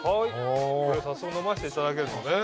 これ早速飲ましていただけるのね。